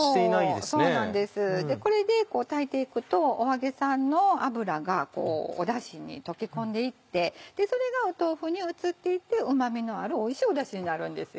でこれで炊いていくとお揚げさんの油がだしに溶け込んでいってそれが豆腐に移っていってうまみのあるおいしいだしになるんですよ。